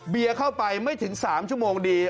เบียร์เข้าไปไม่ถึง๓ชั่วโมงดี